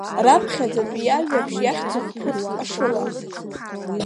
Раԥхьаӡатәи иажәабжь иахьӡуп Ԥуҭк ашыла.